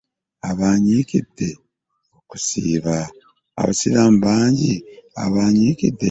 Abasiraamu bangi abanyiikidde okusiiba.